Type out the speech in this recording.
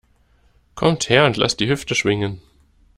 Kommt her und lasst die Hüfte schwingen!